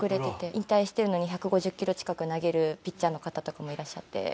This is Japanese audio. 引退してるのに１５０キロ近く投げるピッチャーの方とかもいらっしゃって。